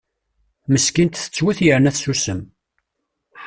Meskint tettwet yerna tessusem.